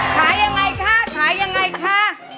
ขายไงคะ